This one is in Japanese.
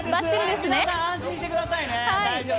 皆さん、安心してくださいね。